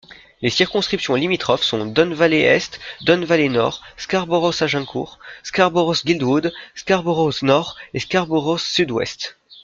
Les circonscriptions limitrophes sont Don Valley-Est, Don Valley-Nord, Scarborough—Agincourt, Scarborough—Guildwood, Scarborough-Nord et Scarborough-Sud-Ouest.